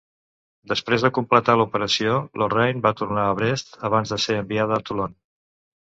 Després de completar la operació, "Lorraine" va tornar a Brest abans de ser enviada a Toulon.